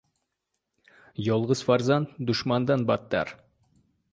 • Yolg‘iz farzand ― dushmandan battar.